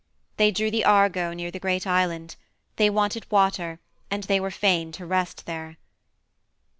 They drew the Argo near the great island; they wanted water, and they were fain to rest there.